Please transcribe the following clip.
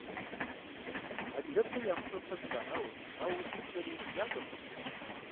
Адыгэбзэ ямыщӏэу фэ зытрагъауэрт, ауэ урысыбзэри ящӏэртэкъым.